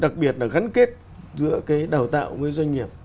đặc biệt là gắn kết giữa cái đào tạo với doanh nghiệp